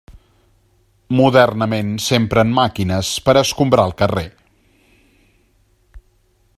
Modernament s'empren màquines per a escombrar el carrer.